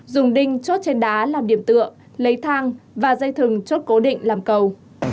dùng đinh chốt trên đá làm điểm tựa lấy thang và dây thừng chốt cố định làm cầu